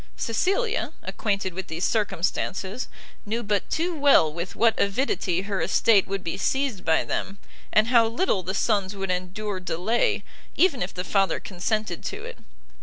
Cecilia, acquainted with these circumstances, knew but too well with what avidity her estate would be seized by them, and how little the sons would endure delay, even if the father consented to it.